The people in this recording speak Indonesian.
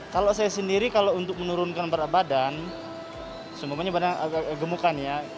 kalau saya sendiri kalau untuk menurunkan berat badan semuanya berat badan agak gemukannya